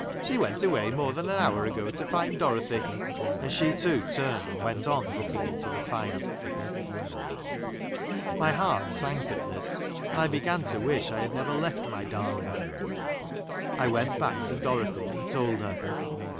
" She went away more than an hour ago to find Dorothy." And she too turned and went on looking into the fire. My heart sank at this, and I began to wish I had never left my darling. I went back to Dorothy and told her.